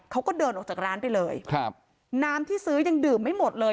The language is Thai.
เขาก็เดินออกจากร้านไปเลยครับน้ำที่ซื้อยังดื่มไม่หมดเลย